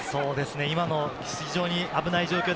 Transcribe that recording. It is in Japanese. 今のは非常に危ない状況